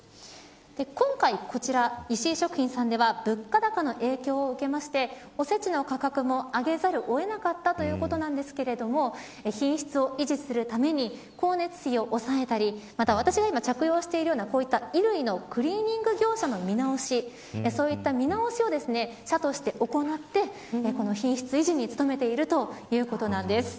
今回こちら、石井食品さんでは物価高の影響を受けましておせちの価格も上げざるをえなかったということなんですけれども品質を維持するために光熱費を抑えたりまた私が今着用しているような衣類のクリーニング業者の見直しそういった見直しを社として行ってこの品質維持に努めているということなんです。